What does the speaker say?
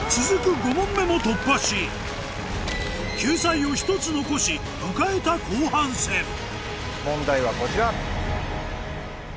５問目も突破し救済を１つ残し迎えた後半戦問題はこちら。